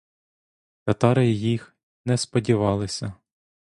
Татари їх не сподівалися.